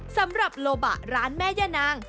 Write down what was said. สำหรับโลบะร้านแม่ย่านาง